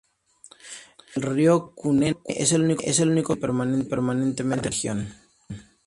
El río Cunene es el único que fluye permanentemente por la región.